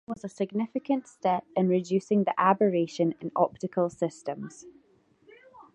This was a significant step in reducing the aberration in optical systems.